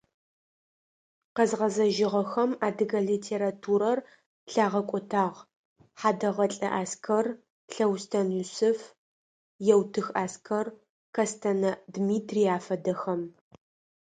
Къэзгъэзэжьыгъэхэм адыгэ литературэр лъагъэкӏотагъ: Хьадэгъэлӏэ Аскэр, Лъэустэн Юсыф, Еутых Аскэр, Кэстэнэ Дмитрий афэдэхэм.